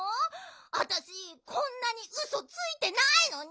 あたしこんなにウソついてないのに！